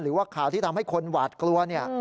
หรือว่าข่าวที่ทำให้คนหวาดกลัวเนี่ย